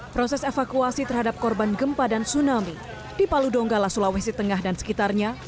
proses evakuasi terhadap korban gempa dan tsunami di palu donggala sulawesi tengah dan sekitarnya